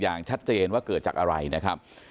อย่างชัดเจนว่าเกิดจากอะไรนะครับ